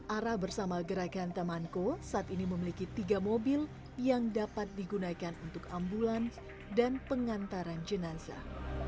arah bersama gerakan temanko saat ini memiliki tiga mobil yang dapat digunakan untuk ambulans dan pengantaran jenazah